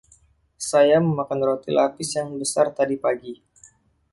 Saya memakan roti lapis yang besar tadi pagi.